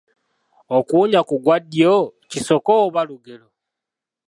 Okuwunya ku gwa ddyo kisoko oba lugero?